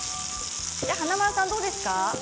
華丸さん、どうですか。